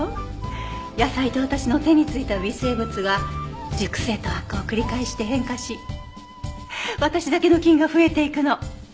野菜と私の手についた微生物が熟成と発酵を繰り返して変化し私だけの菌が増えていくの。